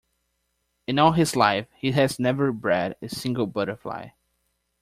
In all his life he has never bred a single butterfly.